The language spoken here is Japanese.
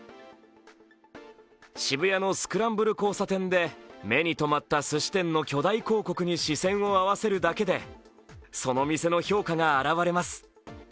渋谷のスクランブル交差点で目に止まったすし店の巨大広告に視線を合わせるだけで、その店の評価があらわれます。